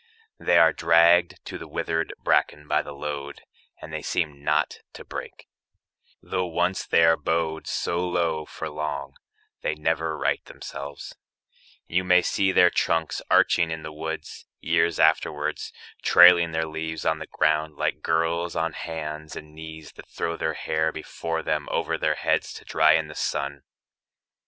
They are dragged to the withered bracken by the load, And they seem not to break; though once they are bowed So low for long, they never right themselves: You may see their trunks arching in the woods Years afterwards, trailing their leaves on the ground Like girls on hands and knees that throw their hair Before them over their heads to dry in the sun.